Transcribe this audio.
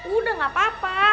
udah gak apa apa